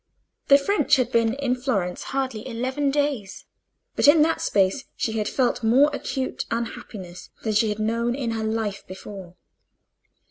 The French had been in Florence hardly eleven days, but in that space she had felt more acute unhappiness than she had known in her life before.